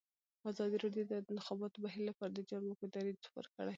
ازادي راډیو د د انتخاباتو بهیر لپاره د چارواکو دریځ خپور کړی.